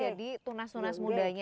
jadi aprengannya bisa ke pulih misalnya